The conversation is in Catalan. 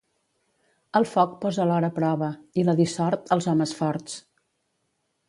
El foc posa l'or a prova, i la dissort, els homes forts.